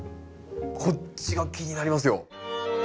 こっちが気になりますよ。